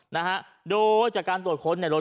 นะฮะโดยจากการตรวจค้นในรถ